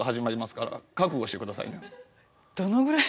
どのぐらい？